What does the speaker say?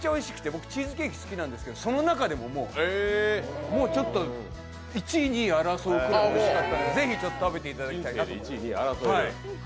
僕チーズケーキ好きなんですけどその中でもちょっと１位、２位争うくらいおいしかったので、是非、食べていただきたいなと。